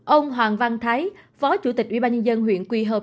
ông hoàng văn thái phó chủ tịch ubnd huyện quỳ hợp